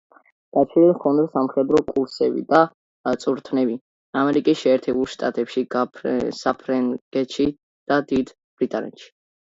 გავლილი ჰქონდა სამხედრო კურსები და წვრთნები ამერიკის შეერთებულ შტატებში, საფრანგეთში და დიდ ბრიტანეთში.